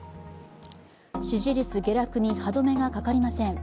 支持率下落に歯止めがかかりません。